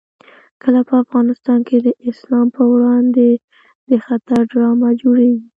کله په افغانستان کې د اسلام په وړاندې د خطر ډرامه جوړېږي.